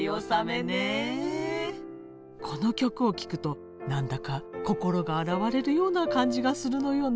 この曲を聴くと何だか心が洗われるような感じがするのよね。